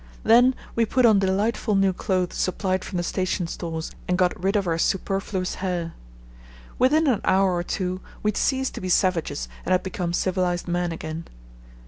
Then we put on delightful new clothes supplied from the station stores and got rid of our superfluous hair. Within an hour or two we had ceased to be savages and had become civilized men again.